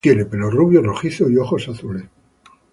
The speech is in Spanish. Tiene pelo rubio rojizo y ojos azules.